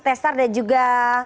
tesar dan juga